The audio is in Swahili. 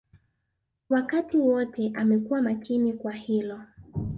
Wakati wote amekuwa makini kwa hilo